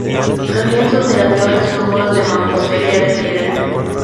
Los lienzos de la torre son muros de mampostería de piedra.